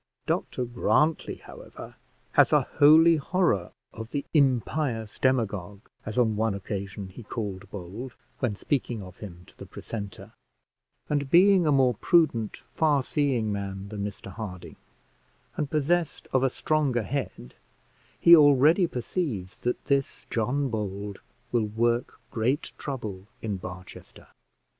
Dr Grantly, however, has a holy horror of the impious demagogue, as on one occasion he called Bold, when speaking of him to the precentor; and being a more prudent far seeing man than Mr Harding, and possessed of a stronger head, he already perceives that this John Bold will work great trouble in Barchester.